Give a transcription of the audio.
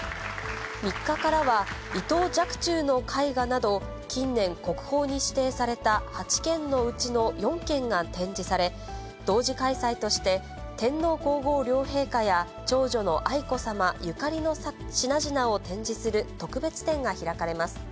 ３日からは、伊藤若冲の絵画など、近年、国宝に指定された８件のうちの４件が展示され、同時開催として、天皇皇后両陛下や長女の愛子さまゆかりの品々を展示する特別展が開かれます。